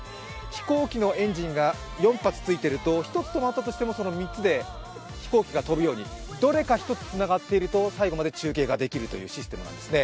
飛行機のエンジンが４つついていると１つ止まったとしてもその３つで飛行機が飛ぶようにどれか一つつながっていると最後まで中継ができるというシステムなんですね。